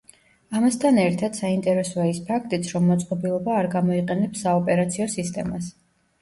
ამასთან ერთად, საინტერესოა ის ფაქტიც, რომ მოწყობილობა არ გამოიყენებს საოპერაციო სისტემას.